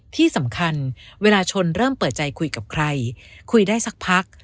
ที่สำคัญเวลาชนเริ่มเปิดใจคุยกับใครคุยได้สักพัก